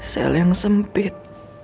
sel yang sempit